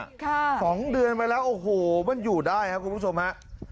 ค่ะสองเดือนไปแล้วโอ้โหมันอยู่ได้ฮะคุณผู้ชมฮะ